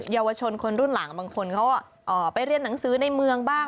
เยาวชนคนรุ่นหลังบางคนเขาไปเรียนหนังสือในเมืองบ้าง